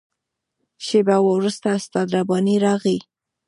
شېبه وروسته استاد رباني راغی.